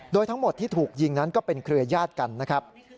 โดยทั้งหมดที่ถูกยิงนั้นก็เป็นเครือญาติกันนะครับ